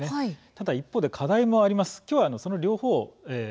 ただ一方で課題もあります。